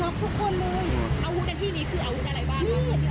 ก็อยู่ในบ้านหลุดเสียงปืนดังซุ่มเลย